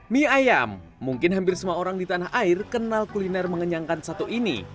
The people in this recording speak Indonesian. mie ayam mungkin hampir semua orang di tanah air kenal kuliner mengenyangkan satu ini